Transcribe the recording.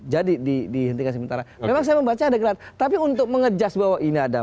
jadi dihentikan sementara memang saya membaca ada gelagat tapi untuk mengejas bahwa ini ada